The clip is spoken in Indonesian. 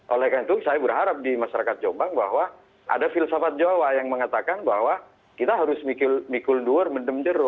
oleh karena itu saya berharap di masyarakat jombang bahwa ada filsafat jawa yang mengatakan bahwa kita harus mikul duer mendem jeruk